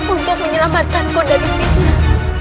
untuk menyelamatkan aku dari fitnah